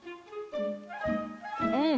うん。